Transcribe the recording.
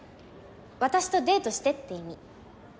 「私とデートして」って意味。